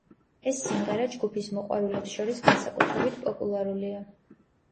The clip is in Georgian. ეს სიმღერა ჯგუფის მოყვარულებს შორის განსაკუთრებით პოპულარულია.